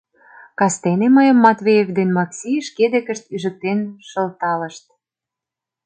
Кастене мыйым Матвеев ден Макси шке декышт ӱжыктен шылталышт.